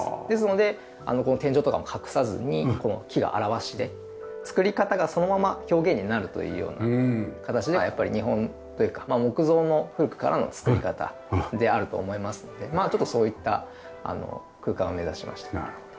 ですのでこの天井とかも隠さずに木が現しで造り方がそのまま表現になるというような形でやっぱり日本というか木造の古くからの造り方であると思いますのでちょっとそういった空間を目指しました。